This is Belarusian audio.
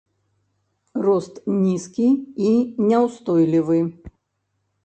Рост нізкі і няўстойлівы.